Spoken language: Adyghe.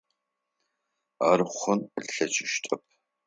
Ар хъун ылъэкӏыщтэп.